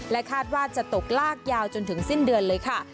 คาดว่าจะตกลากยาวจนถึงสิ้นเดือนเลยค่ะ